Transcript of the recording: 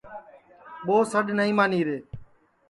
ٻو سڈؔ نائی مانی رے